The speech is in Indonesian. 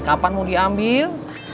kapan mau diambil